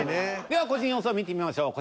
では個人予想見てみましょう。